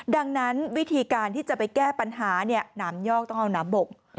ดังนั้นวิธีการที่จะไปแก้ปัญหาหนามยอกต้องเอาน้ำบก